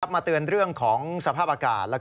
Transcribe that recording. มาเตือนเรื่องของสภาพอากาศ